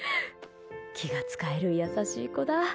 気が使える優しい子だ。